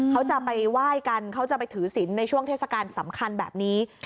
เขาจะไปไหว้กันเขาจะไปถือศิลป์ในช่วงเทศกาลสำคัญแบบนี้